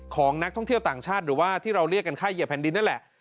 ของนักท่องเที่ยวต่างชาติหรือว่าที่เราเรียกกันค่าเหยียบแผ่นดินนั่นแหละ